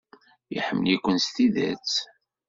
Iḥemmel-iken s tidet.